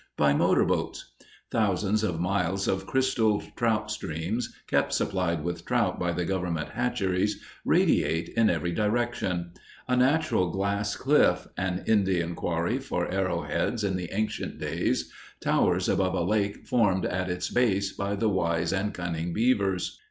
by motor boats; thousands of miles of crystal trout streams, kept supplied with trout by the government hatcheries, radiate in every direction; a natural glass cliff, an Indian quarry for arrow heads in the ancient days, towers above a lake formed at its base by the wise and cunning beavers.